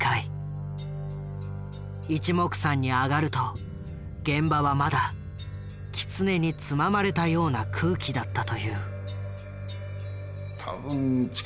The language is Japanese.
いちもくさんに上がると現場はまだきつねにつままれたような空気だったという。